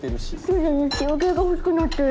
既に塩系が欲しくなっている。